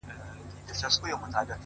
ما د وحشت په زمانه کي زندگې کړې ده ـ